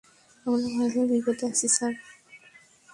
আমরা ভয়াবহ বিপদে আছি, স্যার।